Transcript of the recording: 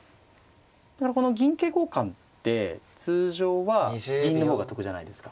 この銀桂交換って通常は銀の方が得じゃないですか。